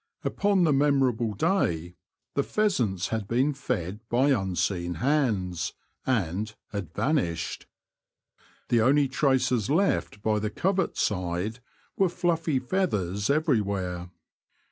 Upon the memorable day the pheasants had been fed by unseen hands — and had vanished. The only traces left by the covert side were fluffy feathers everywhere.